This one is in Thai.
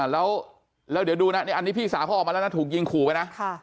แล้วเดี๋ยวดูนะอันนี้พี่สาวเขาออกมาแล้วนะถูกยิงขู่ไปนะ